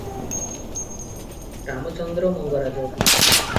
Ramachandra Mangaraj.